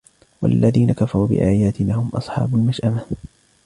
وَالَّذِينَ كَفَرُوا بِآيَاتِنَا هُمْ أَصْحَابُ الْمَشْأَمَةِ